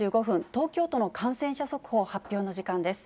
東京都の感染者速報発表の時間です。